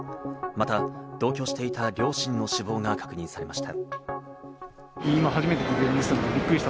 また同居していた両親の死亡が確認されました。